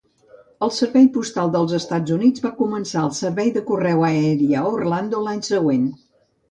El Servei Postal dels Estats Units va començar el servei de correu aeri a Orlando l'any següent.